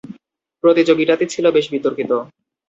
প্রতিযোগিতাটি ছিল বেশ বিতর্কিত।